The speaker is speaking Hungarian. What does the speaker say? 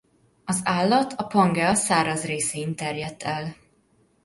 Az állat a Pangea száraz részein terjedt el.